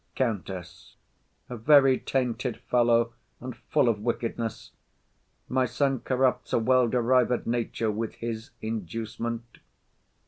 COUNTESS. A very tainted fellow, and full of wickedness. My son corrupts a well derived nature With his inducement.